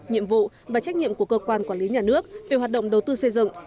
nhiệm vụ và trách nhiệm của cơ quan quản lý nhà nước về hoạt động đầu tư xây dựng